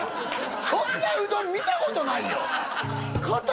そんなうどん見たことないよ！